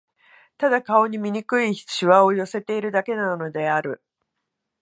ただ、顔に醜い皺を寄せているだけなのである